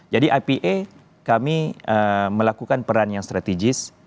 jadi ipe kami melakukan peran yang strategis